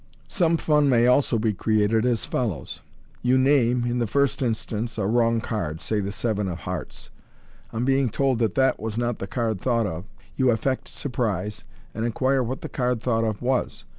Some fun may also be created as follows :— You name, in the first instance, a wrong card — say the seven of hearts. On being told that that was not the card thought of, you affect surprise, and inquire what the card thought of was.